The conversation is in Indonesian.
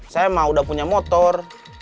saya mah udah punya motor